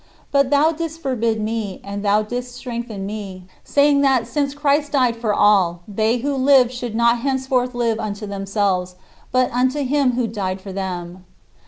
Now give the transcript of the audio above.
But thou didst forbid me, and thou didst strengthen me, saying that "since Christ died for all, they who live should not henceforth live unto themselves, but unto him who died for them."